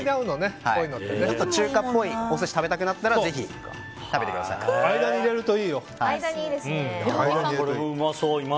中華っぽいお寿司が食べたくなったらこれ、間に入れるといいよ。